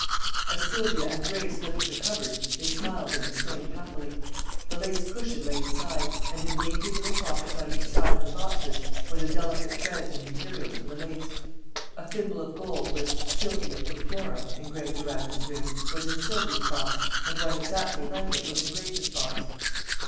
As Sylvia and Grace lifted the covers they smiled and exclaimed happily. The lace cushion lay inside, and in dainty little pockets on each side of the boxes were the delicate threads and materials for the lace. A thimble of gold, with "Sylvia from Flora" engraved around its rim, was in Sylvia's box, and one exactly like it was in Grace's box.